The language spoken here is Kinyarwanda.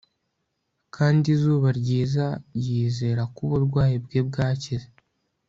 Kandi izuba ryiza yizera ko uburwayi bwe bwakize